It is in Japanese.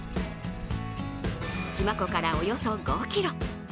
四万湖からおよそ５ｋｍ。